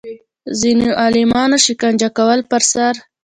ځینو عالمانو شکنجه کولو پر سر